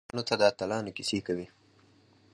باسواده میندې ماشومانو ته د اتلانو کیسې کوي.